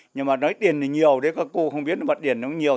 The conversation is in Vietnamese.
nhưng mà nói tiền này nhiều các cô không biết tiền này có nhiều